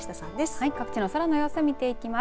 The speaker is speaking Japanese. はい、各地の空の様子を見ていきます。